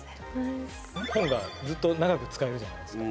本がずっと長く使えるじゃないですか。